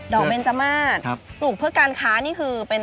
เบนจมาสปลูกเพื่อการค้านี่คือเป็น